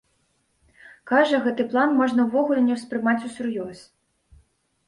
Кажа, гэты план можна ўвогуле не ўспрымаць усур'ёз.